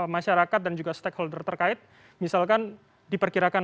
masyarakat dan juga stakeholder terkait misalkan diperkirakan